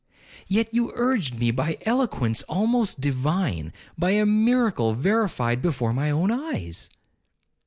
'Yet you urged me by eloquence almost divine, by a miracle verified before my own eyes.'